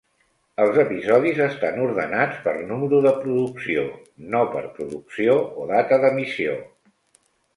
Els episodis estan ordenats per número de producció, no per producció o data d'emissió.